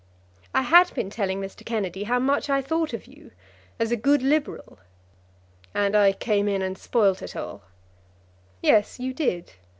I had been telling Mr. Kennedy how much I thought of you, as a good Liberal." "And I came in and spoilt it all." "Yes, you did.